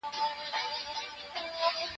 تا ته ښایی په دوږخ کي عذابونه